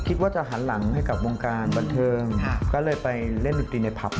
คิดว่าจะหันหลังให้กับวงการบันเทิงก็เลยไปเล่นดนตรีในผับ